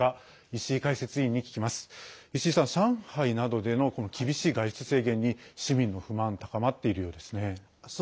石井さん、上海などでの厳しい外出制限に市民の不満高まっているようですね。